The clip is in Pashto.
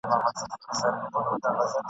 په مردار ډنډ کي به څنګه ژوند کومه !.